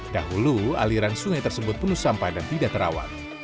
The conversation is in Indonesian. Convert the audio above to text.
dahulu aliran sungai tersebut penuh sampah dan tidak terawat